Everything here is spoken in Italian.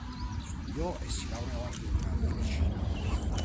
Studiò e si laureò in medicina.